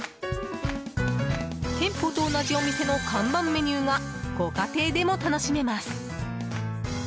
店舗と同じお店の看板メニューがご家庭でも楽しめます。